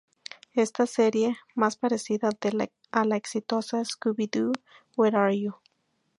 Esta serie, más parecida a la exitosa "Scooby-Doo, Where are You!